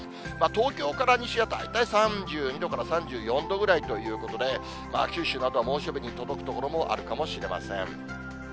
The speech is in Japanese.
東京から西は大体３２度から３４度ぐらいということで、九州などは猛暑日に届く所があるかもしれません。